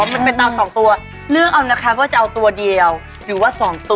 มันเป็นเตาสองตัวเลือกเอานะคะว่าจะเอาตัวเดียวหรือว่าสองตัว